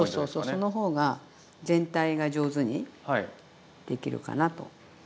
その方が全体が上手にできるかなと。